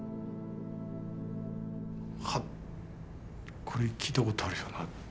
はっこれ聴いたことあるよなって。